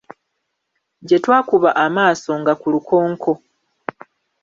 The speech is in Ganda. Gye twakuba amaaso nga ku lukonko.